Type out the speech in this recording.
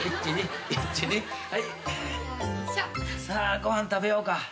さあご飯食べようか。